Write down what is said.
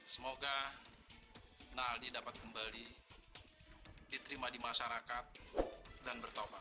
semoga naldi dapat kembali diterima di masyarakat dan bertobat